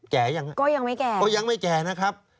แก่ยังไงก็ยังไม่แก่นะครับ